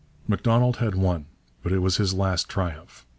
Macdonald had won, but it was his last triumph.